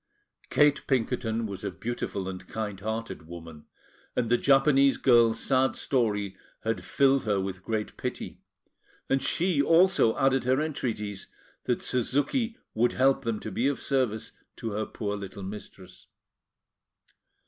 Kate Pinkerton was a beautiful and kind hearted woman, and the Japanese girl's sad story had filled her with great pity; and she also added her entreaties that Suzuki would help them to be of service to her poor little mistress.